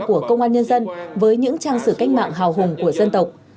của công an nhân dân với những trang sử cách mạng hào hùng của dân tộc